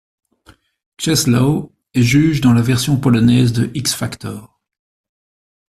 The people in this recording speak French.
Czesław est juge dans la version polonaise de X-Factor.